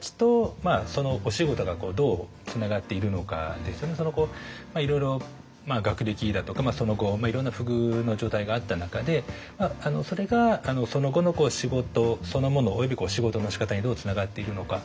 やっぱり何て言うんでしょうかねいろいろ学歴だとかその後いろんな不遇の状態があった中でそれがその後の仕事そのものおよび仕事のしかたにどうつながっていくのか。